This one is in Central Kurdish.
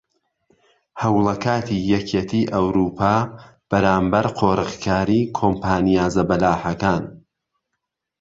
هەوڵەکاتی یەکیەتی ئەوروپا بەرامبەر قۆرغکاری کۆمپانیا زەبەلاحەکان